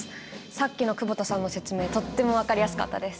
さっきの久保田さんの説明とっても分かりやすかったです。